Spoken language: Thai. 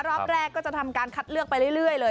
รอบแรกก็จะทำการคัดเลือกไปเรื่อยเลย